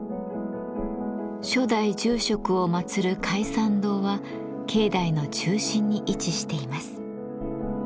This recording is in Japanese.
初代住職を祭る開山堂は境内の中心に位置しています。